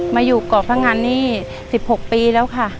มาอยู่ก่อพระงานนี้๑๖ปีแล้วค่ะ